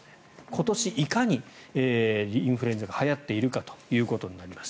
今年、いかにインフルエンザがはやっているかということになります。